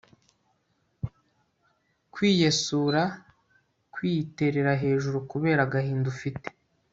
kwiyesura kwiterera hejuru kubera agahinda ufite